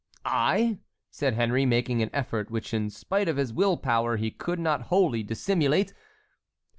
"I!" said Henry, making an effort, which in spite of his will power he could not wholly dissimulate.